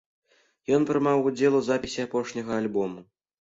Ён прымаў удзел у запісе апошняга альбому.